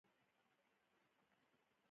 ځمکه د افغان تاریخ په کتابونو کې ذکر شوی دي.